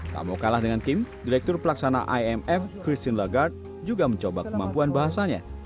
tak mau kalah dengan kim direktur pelaksana imf christine lagarde juga mencoba kemampuan bahasanya